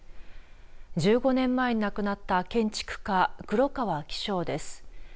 １５年前に亡くなった建築家黒川紀章です。